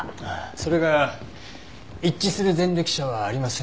それが一致する前歴者はありませんでした。